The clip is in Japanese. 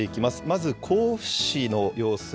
まず甲府市の様子。